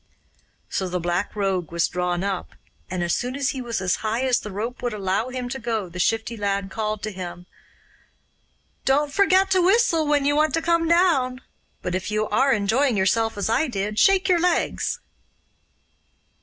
So the Black Rogue was drawn up, and as soon as he was as high as the rope would allow him to go the Shifty Lad called to him: 'Don't forest to whistle when you want to come down; but if you are enjoying yourself as I did, shake your legs.